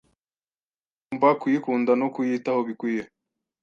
Uzagomba kuyikunda no kuyitaho bikwiye